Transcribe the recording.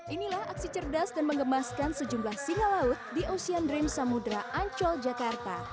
inilah aksi cerdas dan mengemaskan sejumlah singa laut di ocean dream samudera ancol jakarta